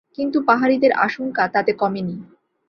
কিন্তু পাহাড়িদের আশঙ্কা তাতে কমেনি।